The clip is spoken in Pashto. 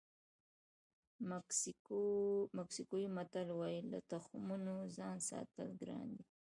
مکسیکوي متل وایي له تخمونو ځان ساتل ګران دي.